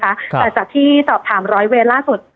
แต่จากที่สอบถามร้อยเวรล่าสุด